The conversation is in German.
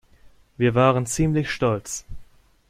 Wir waren ziemlich stolz.